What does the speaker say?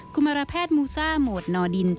คุณมารแพทย์มูซ่าโหมดนอดิน